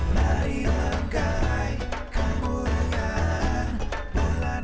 lari langkai kemuliaan bulan ramadhan